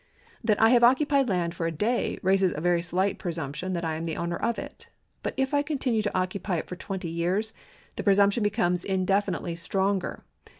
That I have occupied land for a day raises a very slight presump tion that I am the owner of it ; but if I continue to occupy it for twenty years, the presumption becomes indefinitely stronger.